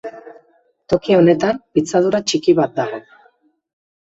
Toki honetan, pitzadura txiki bat dago.